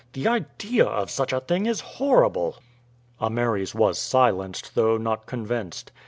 The idea of such a thing is horrible." Ameres was silenced, though not convinced.